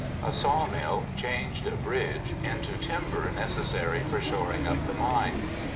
A sawmill changed a bridge into timber necessary for shoring up the mine.